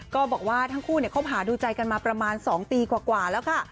ก็บอกว่าทั้งคู่คบหาดูใจกันมาประมาณ๒ปีกว่าแล้วค่ะ